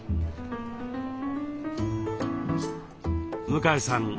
向江さん